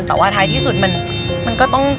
แต่ว่าท้ายที่สุดมันก็ต้อง